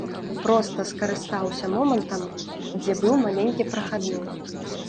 Проста скарыстаўся момантам, дзе быў маленькі прахадны.